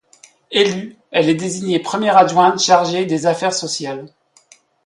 Élue, elle est désignée première adjointe chargée des affaires sociales.